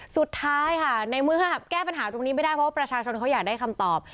สุดท้ายค่ะในเมื่อแก้ปัญหาตรงนี้ไม่ได้เพราะว่าประชาชนเขาอยากได้คำตอบ